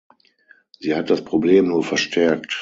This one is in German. Sie hat das Problem nur verstärkt.